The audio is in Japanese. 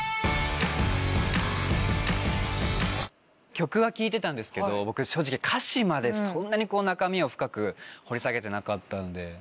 曲は聴いてたんですけど僕正直歌詞までそんなに中身を深く掘り下げてなかったんで。